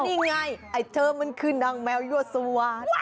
ก็นี่ไงไอเธอมันคือนางแมวยวสวาส